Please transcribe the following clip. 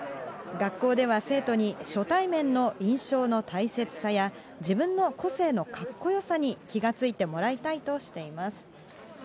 学校では生徒に、初対面の印象の大切さや、自分の個性のかっこよさに気が付いてもらいたいとしています。